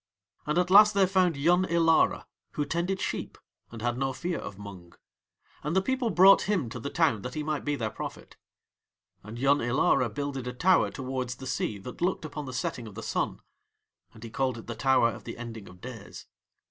And at last they found Yun Ilara, who tended sheep and had no fear of Mung, and the people brought him to the town that he might be their prophet. And Yun Ilara builded a tower towards the sea that looked upon the setting of the Sun. And he called it the Tower of the Ending of Days.